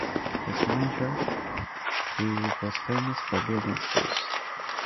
As mayor, he was famous for building schools.